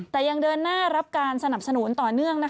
แต่ยังเดินหน้ารับการสนับสนุนต่อเนื่อง